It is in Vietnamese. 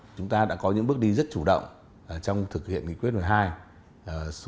chúng ta đã có những bước đi rất chủ động trong thực hiện nghị quyết một mươi hai